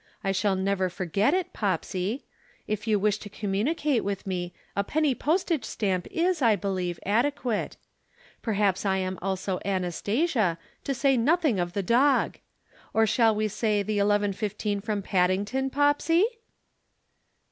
I shall never forget it, Popsy. If you wish to communicate with me, a penny postage stamp is, I believe, adequate. Perhaps I am also Anastasia, to say nothing of the dog. Or shall we say the 11 15 from Paddington, Popsy?'